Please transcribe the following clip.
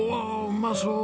うまそう。